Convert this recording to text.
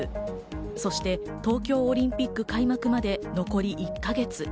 そして、東京オリンピック開幕まで残り１か月。